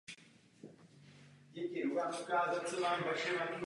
Zajímaly by mě odpovědi na tyto otázky, prosím.